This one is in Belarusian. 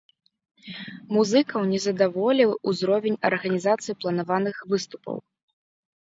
Музыкаў не задаволіў узровень арганізацыі планаваных выступаў.